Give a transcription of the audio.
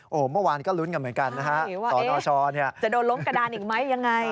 โอ้โหเมื่อวานก็ลุ้นกันเหมือนกันนะฮะสนชจะโดนล้มกระดานอีกไหมยังไง